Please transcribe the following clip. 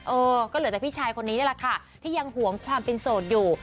เออก็เหลือแต่พี่ชายคนนี้นี่แหละค่ะที่ยังห่วงความเป็นโสดอยู่